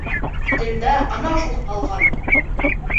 Телдә ана шул ҡалған.